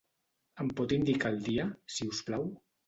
Em pot indicar el dia, si us plau?